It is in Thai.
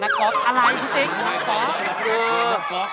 ไม่กลับแล้วก็กลับนะครับอะไรจริง